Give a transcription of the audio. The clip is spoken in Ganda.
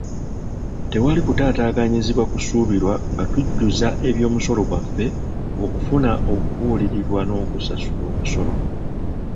Tewali kutaataaganyizibwa kusuubirwa nga tujjuza eby'omusolo gwaffe, okufuna okubalirirwa n'okusaula omusolo.